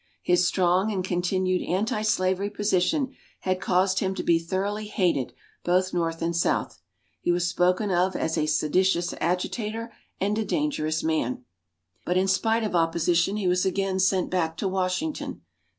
His strong and continued anti slavery position had caused him to be thoroughly hated both North and South. He was spoken of as "a seditious agitator and a dangerous man." But in spite of opposition he was again sent back to Washington.